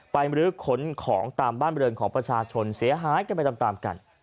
มรื้อขนของตามบ้านบริเวณของประชาชนเสียหายกันไปตามกัน